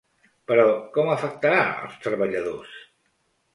Però, com afectarà els treballadors?